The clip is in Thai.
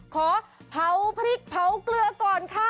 ขอเผาพริกเผาเกลือก่อนค่ะ